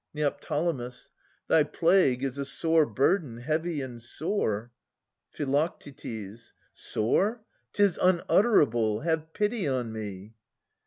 Neo. Thy plague is a sore burden, heavy and sore. Phi. Sore ? 'Tis unutterable. Have pity on me